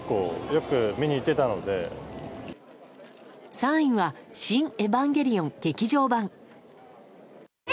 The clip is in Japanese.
３位は「シン・エヴァンゲリオン劇場版」。